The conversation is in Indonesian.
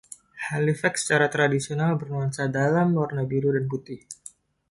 Halifax secara tradisional bernuansa dalam warna biru dan putih.